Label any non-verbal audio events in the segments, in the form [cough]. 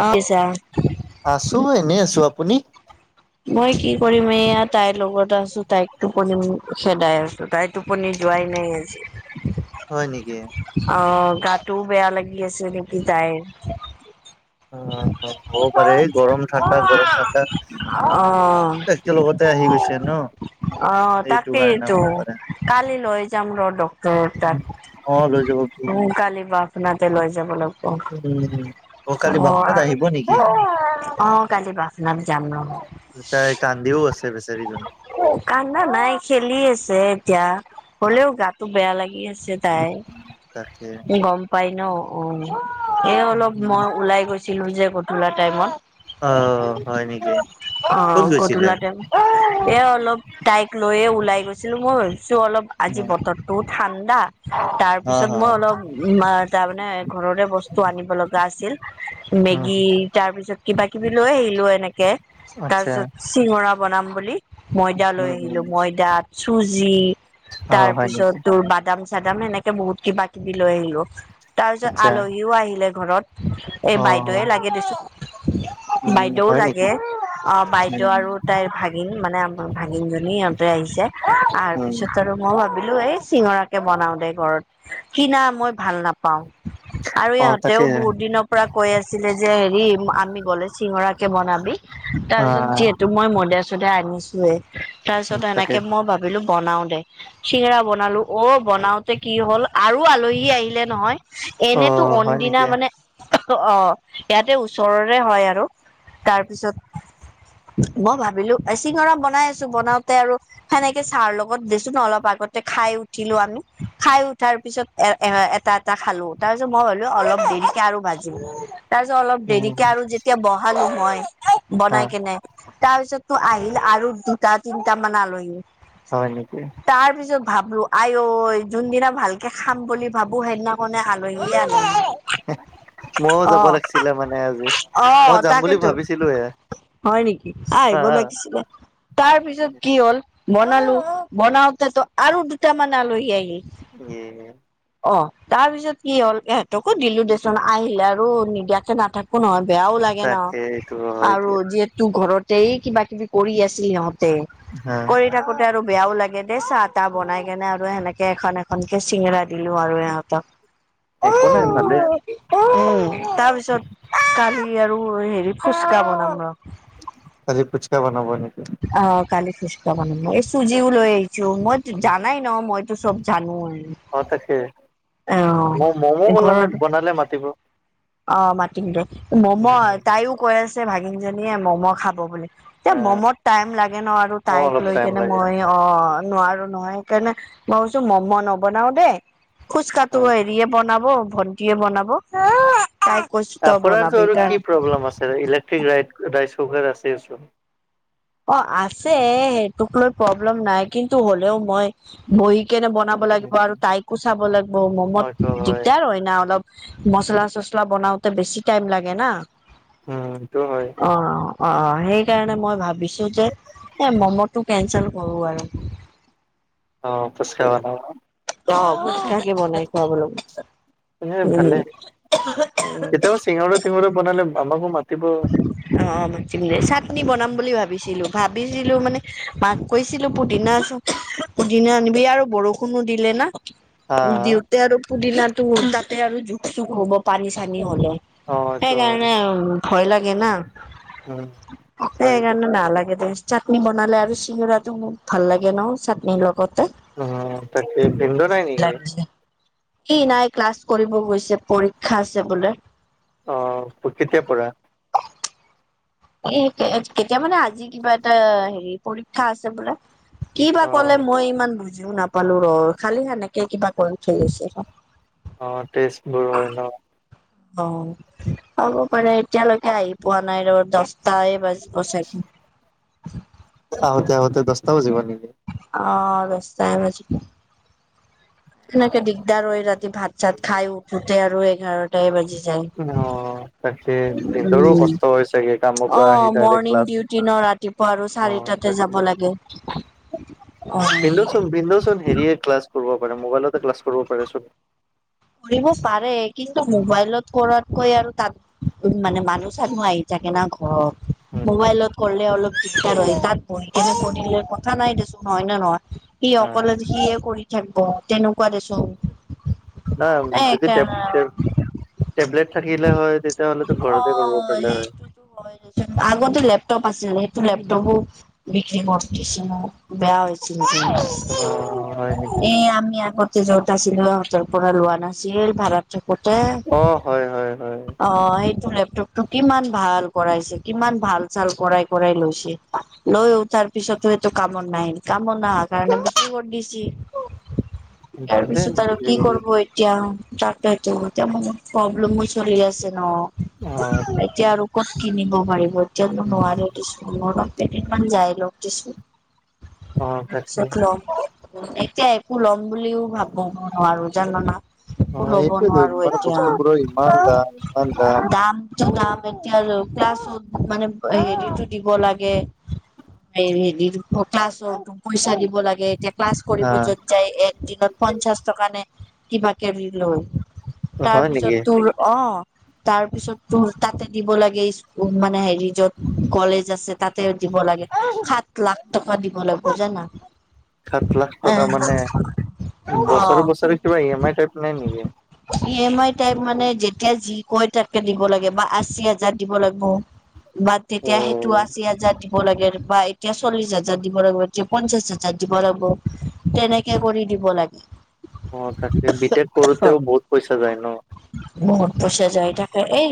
অ, পিছে আও আছো এনে আছো আপুনি মই কি কৰিম এইয়া তাইৰ লগত আছোঁ তাইক তুপনি খেদাই আছোঁ তাইক। টোপনি যোৱাই নাই আজি। হয় নেকি। আহ গাটোও বেয়া লাগি আছে নেকি তাইৰ। অ হ'বও পাৰে গৰম ঠাণ্ডা গৰম ঠাণ্ডা। অ। একেলগতে আহি গৈছে ন অ এইটো কাৰণে তাকেইটো হ'ব পাৰে কালি লৈ যাম ৰ ডক্টৰৰ তাত। অ লৈ যাব। সোনকালেই বাছখনতে লৈ যাব লাগিব। উ অ কালি বাছ খনত আহিব নেকি? আহ কালি বাছখনত যাম নহয়। তাই কান্দিও আছে বেচাৰীজনী কান্দা নাই খেলি আছে এতিয়া। হ'লেও গাটো বেয়া লাগি আছে তাইৰ। তাকে গম পাই ন উ সেই অলপ মই ওলাই গৈছিলোঁ যে গধূলা টাইমত। অ হয় নেকি অ ক'ত গৈছিলে গধুলা তাইম এ অলপ তাইক লৈয়েই ওলাই গৈছিলোঁ মই চ' অলপ আজি বতৰটোও ঠাণ্ডা, তাৰ অ পিছত অ মই, অলপ তাৰমানে ঘৰৰে বস্তু আনিব লগা আছিল। উম মেগী তাৰ পিছত কিবা কিবি লৈ আহিলোঁ এনেকে। তাৰ আত্ছা। পিছত চিঙৰা বনাম বুলি ময়দা লৈ উম উম আহিলোঁ। ময়দা, চুজি। অ তাৰ হয় পিছত নেকি তোৰ বাদাম চাদাম এনেকে বহুত কিবা কিবি লৈ আহিলোঁ। তাৰ পিছত আচ্ছা আলহীও আহিলে ঘৰত এই অ বাইদেউৱে লাগি দিছে। [unintelligible] বাইদেউও হয় নেকি লাগে। অ বাইদেউ উম আৰু তাইৰ ভাগিন মানে আমাৰ ভাগিন জনী সিহঁতে আহিছে। আহাৰ উম পিছত আৰু মই ভাবিলো এই চিঙৰাকে বনাও দে ঘৰত কিনা মই ভাল না পাওঁ আৰু অ ইহঁতেও তাকে বহুত দিনৰ পৰা কৈ আছিলে যে হেৰি আমি গলে চিঙৰা কে বনাবি অ তাৰপিছত যিহেতু মই মইদা চইদা আনিছোঁৱে তাৰ পিছত তাকে সেনেকে মই ভাবিলোঁ বনাঁও দে চিঙৰা বনালোঁ অ বনাঁও কি হ'ল আৰু আলহী আহিলে নহয় অ এনেইতো হয় অইনদিনা নেকি মানে অ ইয়াতে ওচৰৰে হয় আৰু তাৰপিছত মই ভাবিলোঁ চিঙৰা বনাই আছোঁ বনাওতে আৰু সেনেকে চাহৰ লগত দিছো ন অলপ আগতে খাই উঠিলোঁ আমি খাই উঠাৰ পিছত এ এ এটা এটা খালোঁ তাৰ পিছত মই হ'লো অলপ দেৰিকে আৰু ভাজিম। তাৰপাছত অলপ উম দেৰিকে আৰু যেতিয়া বহালোঁ মই হ বনাই কেনে তাৰ পিছত তো আহিল আৰু দুটা তিনটা মান আলহী। হয় নেকি। তাৰ পিছত ভাবলো আই ঐ। যোনদিনা ভালকে খাম বুলি ভাবোঁ সেইদিনাখনে আলহীয়ে আলহী। মইও অ যাব লাগিছিলে মানে আজি মই অ যাম বুলি তাকেতো ভাবিছিলোঁৱে। হয় নেকি আহিব লাগিছিলে। তাৰ পিছত কি হ'ল বনালোঁ বনাঁওতেতো আৰু দুটামান আলহী আহিল। ইয়ে অ তাৰ পিছত কি হ'ল ইহেঁতকো দিলোঁ দেচোন আহিলে আৰু নিদিয়াকে নাথা একো নহয় বেয়াও লাগে ন তাকে এইটো হয় আৰু দিয়া যিহেতু ঘৰতেই কিবা কিবি কৰি আছিল সিহঁত তে হা কৰি থাকোতে আৰু বেয়াও লাগে দেই চাহ তাহ বনাই কেনে আৰু সেনেকে এখন এখনকে চিঙৰা দি দিলো আৰু সিহতঁক একো নাই ভালে উম তাৰপিছত কালি আৰু হেৰি ফুচকা বনাম ৰ আজি পুচকা বনাব নেকি? আহ কালি ফুচকা বনাম ন এই চুজিও লৈ আহিছো মই জানাই ন মইতো সব জানোএ অ তাকে ম মমো বলানে ঘৰত বনালে মাতিব অ' মাতিম দে, মম তাইও কৈ আছে যে ভাগিন জনীয়ে ম'ম' খাব বুলি, এতিয়া ম'মত টাইম লাগে ন, আৰু অ তাইক অলপ লৈ টাইম কেনে লাগে মই অ', নোৱাৰো নহয়, সেইকাৰণে মই ভাবিছো মম' নবনাও দেই। ফুচকাটো হেৰিয়ে বনাব, ভন্টিয়ে বনাব। তাইক কৈছো ত আপোনাৰতো বনাবি আৰু কি সেকাৰণ প্ৰব্লেম আছেনো ইলেক্ট্ৰিক ৰাট ৰাইচ কুকাৰ আছে চোন। অ আছে সেইটোক লৈ প্ৰব্লেম নাই কিন্তু হলেও মই বহি কেনে বনাম। লাগিব আৰু তাইকো চাব লাগিব অ মমত এইটো দিগদাৰ হয় না অলপ। মচলা চছলা বনাওতে বেছি টাইম লাগে না। উম সেইটো হয়। অ অ অ সেইকাৰণে মই ভাবিছো যে এ মম'টো কেনচেল কৰো আৰু। অ ফুছকা বনাব ক অ ফুচকাকে বনাই খোৱাবলৈ এ উম ভালে উম। কেতিয়াবা চিঙৰা তিঙৰা বনালে আমাকো মাতিব। অ মাতিম দে চাটনি বনাম বুলি ভাবিছিলো ভাবিছিলো মানে মাক কৈছিলো পুদিনা চ পুডিনা আনিবি আৰু বৰষুণো দিলে না। হা দিওঁতে আৰু পুদিনাটো তাতে আৰু জোক চুক হ'ব পানি চানি হলে। অ এইটো হয় সেইকাৰণে আৰু ভয় লাগে না, উম হয় সেইকাৰণে নালাগে দে চাটনি বনালে আৰু চিঙৰাটো মোক ভাল লাগে ন চাটনিৰ লগতে। অ তাকেই ভিণ্ড নাই নেকি? হি নাই ক্লাছ কৰিব গৈছে পৰীক্ষা আছে বোলে। অ পকেতিয়াৰ পৰা? এ কেতিয়া মানে আজি কিবা এটা হেৰি পৰীক্ষা আছে বোলে। কি বা অ ক'লে মই ইমান বোজি জিও নাপালো ৰ খালি সেনেকে কিবা কৰি থৈ গৈছে। অ টেষ্ট বোৰ হয় ন। অ হ'ব পাৰে এতিয়ালৈকে আহি পোৱা নাই ৰ দচটা এ বাজি ব চাগে। আহোতে আহোতে দহটা বাজিব নেকি? অহ দচটায়ে বাজিব। সেনেকে দিগদাৰ হয়, ৰাতি ভাত চাত খাই উঠো। তেৰ এঘাৰত তাই বাজি যায়, অ তাকে ভিনদেউৰো উম, কষ্ট হয় চাগে কামৰ পৰা আহি অ', ডাইৰেক্ট মৰ্ণং ক্লাছ দিও দিনৰ ৰাতিপুৱা আৰু, অ চাৰিটাতে তাকে যাব লাগে। অ' ভিনদেউ চোন ভিনদেউ চোন হেৰিয়ে ক্লাছ কৰিব পাৰে, মোবাইলতে ক্লাছ কৰিব পাৰে চোন। কৰিব পাৰে, কিন্তু উম মোবাইলত- কৰাতকৈ আৰু তাত উম' মানে মানুহ চানুহ আহি থাকে না ঘৰত। উম মোবাইলত- কৰিলে অলপ দিগদাৰ হয়, তাত বহি কেনে পঢ়িলে কথা নাই দে চোন হয় নে নহয়? সি অ অকলে সিয়ে কৰি থাকিব, তেনেকুৱা দেচোন। নাই এ যদি তেব সেইকাৰণে আৰু তেব- টেবলেট থাকিলে হয়, তেতিয়াহ'লেটো ঘৰতে কৰিব পাৰিলে হয়। আগতো লেপটপ আছিলে, সেইটো লেপটপো- বিক্ৰী কৰ দিচে ন, বেয়া হৈছ- অ', হয় নেকি? এঁ আমি আগতে য'ত আছিলো, ত'ত- পৰা লোৱা নাছিল ভাড়াত থাকোতে, অ', হয়, হয়, হয়। অঁ' সেইটো লেপটপ- টো কিমান ভাল কৰাইছে, কিমান ভাল চাল কৰাই কৰাই লৈছে, লৈও তাৰ- পিছতো এইটো কামত নাহিল, কামত নহাৰ কাৰনে বিক্ৰী কৰি দিছি। [inaudible] ইয়াৰ পিছত আৰু- ভালে অ এতিয়া তাকে টো এতিয়া মোৰ প্ৰব্লেমো চলি আছে ন। অঁ এতিয়া তাকেই। আৰু ক'ত কিনিব পাৰিব এতিয়াতো নোৱাৰে দিছো কেইদিনমান যাই লগ দেছোন। অ', তাৰ তাকে। পিছত লম, এতিয়া একো লম বুলিও ভাবিব নোৱাও। জান না একো অ', ল'ব এইটোৱেতো নোৱাৰো মানে এতিয়া। বস্তুবোৰৰ ইমান দাম, ইমান দাম- য দাম এতিয়া ক্লাছো মানে হেৰিটো দিব লাগে। হেৰি ক্লাছতো পইচা দিব লাগে। গে এতিয়া ক্লাছ কৰিব হা, যত যায়, একদিনত পঞ্চাশ- টকানে কিবা কেবি লৈ হয় তাৰপিছত নেকি? তোৰ অঁ' তাৰ পিছত তোৰ তাতে দিব লাগে স্কু মানে হেৰি য'ত কলেজ- যাছে তাতে দিব লাগে সাত লাখ টকা দিব লাগব জানা। সাত লাখ টকা মানে, অ', বছৰে বছৰে কিবা ই এম আই টাইপ লয় নেকি? ই এম আই টাইপ মানে, যেতিয়া যি কয় তাকে দিব লাগে, বা আশী হাজাৰ দিব লাগিব। বাট তেতিয়া সেইটো অ', আছি হাজাৰ দি- দিব লাগে বা এতিয়া চল্লিশ হাজাৰ দিব লাগিব এতিয়া পঞ্চাশ হাজাৰ দিব লাগিব তেনেকে কৰি দিব লাগ- অঁ তাকে বি টেড কৰোঁতেও বহুত পইচা যায় ন। বহুত পইচা যায় থাকে, এই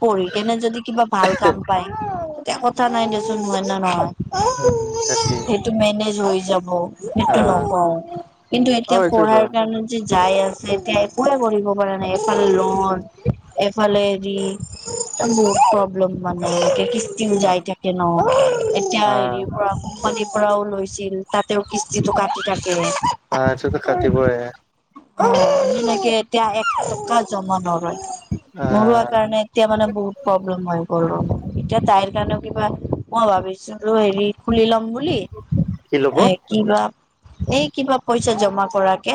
পঢ়ি কেনে যদি কিবা- ভাল কাম পাই তেতিয়া কথা নাই দেচোন হয় না নহয়। উম' তাকে। টো মেনেজ হৈ যাব হা, সেইটো নকওঁ, কিন্তু এতিয়া অ', এইটোৱেতো পঢ়াৰ কাৰ- নে যে যাই আছে এতিয়া একোৱে কৰিব পাৰে নাই। এফাল লোন- সেই ফালেই দি এদম বহুত প্ৰব্লেম মানে, পেটিছ- হা, যাই থাকে ন, এতিয়া হা, হেৰি পৰা- পনিৰ পৰাও লৈছিল তাতেও কিস্তিটো কাটি থাকে- অঁ সেইটোটো কাতিবৈ এ। অঁ' এনেকে এতিয়া এক টকা জমা নলয়, আ, নলোৱা কাৰণে- এতিয়া মানে বহুত প্ৰব্লেম হৈ গ'ল ৰ, এতিয়া তাইৰ কাৰণেও কিবা মই ভাবিছিলো হেৰি- খুলি লম বুলি, কি ল'ব? এ কিবা এই কিবা পইচা জমা- কৰাকে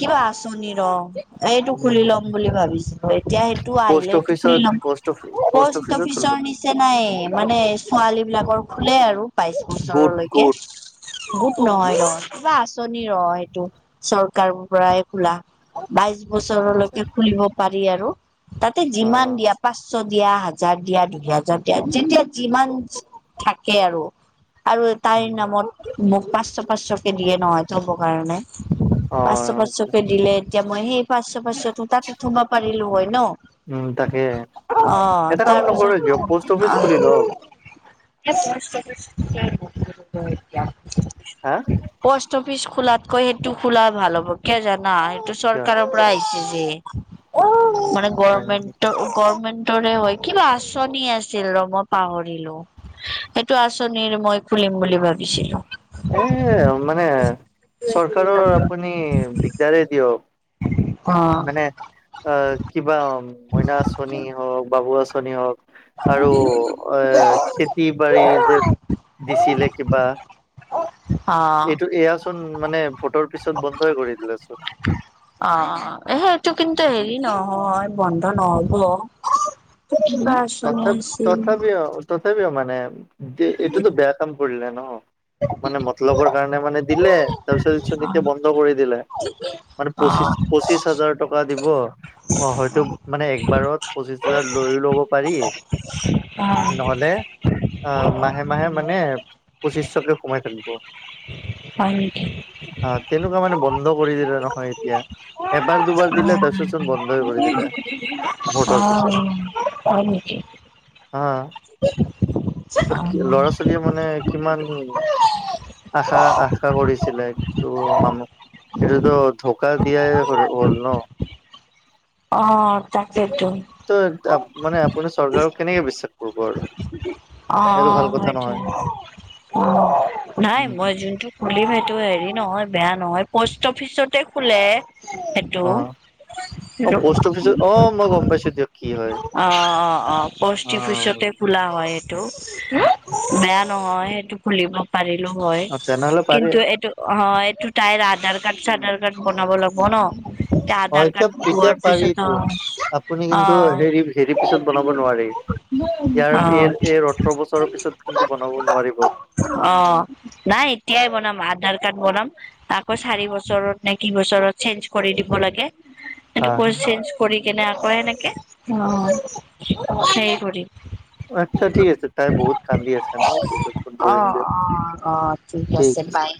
কিবা এ আঁচনি ৰ- এইটো খুলি ল'ম বুলি ভাবিছিলো, এতিয়া সেইটো পোষ্ট আহিলে সেইটো খুলি অফিচত, ল'ম পোষ্ট অফ, পোষ্ট পষ্ট অফিচত খুলিব অফিচৰ নিচি- নাই মানে ছোৱালী বিলাকৰ খোলে আৰু বাইশ গোট বছৰলৈকে। গোট গোত নহয় ৰ কিবা আঁচনি ৰ সেইটো, চৰকাৰ পৰাই খোলা। বাইশ আচ্ছা বছৰলৈকে খুলিব পাৰি আৰু তাতে অ যিমান দিয়া পাঁচশ দিয়া, হাজাৰ দিয়া, দুই হাজাৰ দিয়া যেতিয়া যিমান থাকে আৰু। আৰু তাইৰ নামত মোক পাঁচশ পাঁচশকে দিয়ে নহয় থব কাৰণে। [unintelligible] পাঁচশ পাঁচশকে দিলে এতিয়া মই সেই পাঁচশ পাঁচশ তাতো থোবা পাৰিলো হয় ন। উম তাকে অহ এটা কাম নকৰে তাৰপিছত কিয় পোষ্ট অফিচ আহ খুলি লওক [inaudible] হা পষ্ট অফিচ খোলাতকৈ সেইটো খোলা ভাল হ'ব কিয় জানা সেইটো কিয় চৰকাৰৰ পৰা আহিছে যে, মানে হয় নেকি গৰমেন্টৰ গৰমেন্ট তোৰে হয় কিবা আচনি আছিল ৰ মই পাহৰিলো। সেইটো আঁচনিৰ মই খুলিম বুলি ভাবিছিলো। এ মানে চৰকাৰৰ আপুনি দিগদাৰে অ দিয়ক। মানে আহ কিবা মইনা আঁচনি হওক বাবু আঁচনি হওক। আৰু আ খেতি বাৰী যে দিছিলে কিবা। অ এইটো এয়াচোন মানে ভোটৰ পিছত বন্ধই কৰি দিলেচোন। অঁ অঁ সেইটো কিন্তু হেৰি নহয় বন্ধ ন'হব। কিবা আঁচনি তথেপ আছিল। তথাপি আও। তথাপিও মানে এইটোতো বেয়া কাম কৰিলে ন, মানে মত লগৰ কাৰণে মানে অ দিলে তাৰ পিছত আচনিটো বন্ধ কৰি দিলে, মানে অ পঁচিশ পঁচিশ হাজাৰ টকা দিব। অ হয়তো মানে একবাৰত পঁচিছ হাজাৰ লৈও লব পাৰি। অ ন'হলে আ মাহে মাহে মানে পঁচিছশকে সোমায় থাকিব। হয় নিকি? হা তেনেকুৱা মানে বন্ধ কৰি দিলে নহয় এতিয়া। এবাৰ দুবাৰ দিলে তাৰপিছতচোন বন্ধই কৰি দিলে হয় ভোটৰ পিছত। হয় নেকি? হা ত অ কি ল'ৰা ছোৱালীয়ে মানে কিমান আশা আশা কৰিছিলে কিন্তু মামুক এটোতো ঢকা দিয়াই হ'ল ন। অ তাকেতো। ত [inaudible] মানে আপুনি চৰকাৰক কেনেকে বিশ্বাস কৰিব আৰু। অ সেইটো ভাল কথা সেইটোৱে নহয়। অ, নাই মই যোনটো খুলিম সেইটো হেৰি নহয় বেয়া নহয়, পষ্ট অফিচতে খোলে হে টো অ', অ', সেইটো পোষ্ট অফিচত অ মই গ'ম পাইছোঁ দিয়ক কি হয়। অ অ অ প'ষ্ট অ', অফিচতে খোলা হয়। টো বেয়া নহয় সেইটো খুলিব পাৰিলো হয়, তেনেহ'লে পাৰে কিন্তু এইটো অ এইটো তাইৰ আধাৰ কাৰ্ড চাধাৰ কাৰ্ড বনাব লাগিব ন। তে অ আধাৰ এতিয়া কাৰ্ড এতিয়া পোৱাৰ পাৰি পিছত টো আপুনি কিন্তু হেৰি হেৰি পিছত বনাব নোৱাৰি, অ ইয়াৰ এইৰ এইৰ অঠৰ বছৰৰ পিছত কিন্তু বনাব অ অ নোৱাৰিব। অ', নাই এতিয়াই বনাম, আধাৰ কাৰ্ড বনাম আকৌ চাৰি বছৰত নে কি বছৰত চেঞ্জ কৰি দিব লাগে। এইটো কৰ চেঞ্জ কৰি কেনে আকৌ এনেকে অ', হে কৰিম। আচ্ছা ঠিক আছে, তাই বহুত কান্দি আছে ন, পিছত ফোন কৰিম অ', দিয়ক। অ', অ', ঠিক আছে বাই।